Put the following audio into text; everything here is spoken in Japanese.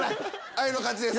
あゆの勝ちです。